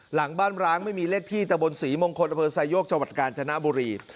หลังบ้านร้างไม่มีเลขที่ตะบนศรีมงคลอำเภอไซโยกจังหวัดกาญจนบุรี